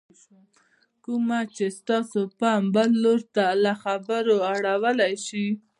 کومه چې ستاسې پام بل لور ته له خبرو اړولی شي